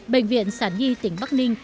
bệnh viện sản nhi tỉnh bắc ninh